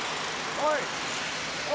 おい！